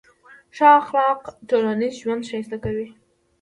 ښه اخلاق ټولنیز ژوند ښایسته کوي.